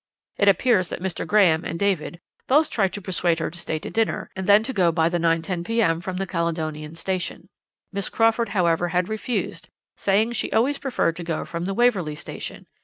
It appears that Mr. Graham and David both tried to persuade her to stay to dinner, and then to go by the 9.10 p.m. from the Caledonian Station. Miss Crawford however had refused, saying she always preferred to go from the Waverley Station.